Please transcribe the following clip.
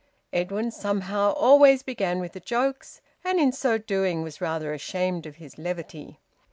Edwin somehow always began with the jokes, and in so doing was rather ashamed of his levity.